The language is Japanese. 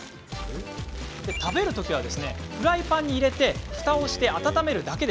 食べるときはフライパンに入れてふたをして温めるだけ。